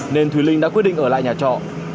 nên thùy linh đã quyết định ở lại nhà trọ